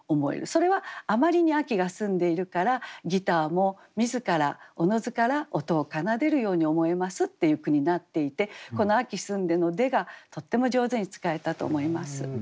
それはあまりに秋が澄んでいるからギターも自らおのずから音を奏でるように思えますっていう句になっていてこの「秋澄んで」の「で」がとっても上手に使えたと思います。